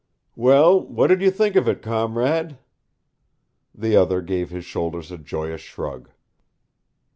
"Well, what did you think of it, comrade?" The other gave his shoulders a joyous shrug.